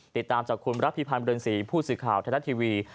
ติดตามจากคุณรัฐพิพันธ์บริเวณศรีผู้สื่อข่าวแทนทัศน์ทีวี